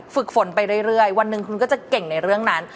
ฝึกฝนไปเรื่อยวันหนึ่งคุณก็จะเก่งในเรื่องนั้น